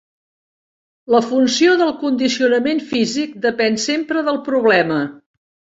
La funció de condicionament físic depèn sempre del problema.